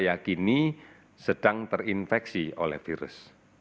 diakini sedang terinfeksi oleh virus